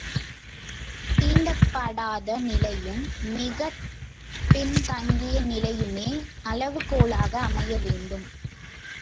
தீண்டப்படாத நிலையும், மிகப் பின் தங்கிய நிலையுமே அளவுகோலாக அமைய வேண்டும்.